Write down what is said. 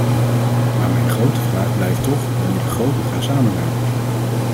Maar mijn grote vraag blijft toch wanneer de groten gaan samenwerken.